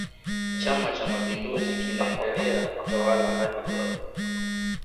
chama cha mapinduzi kinaendelea kutawala hadi leo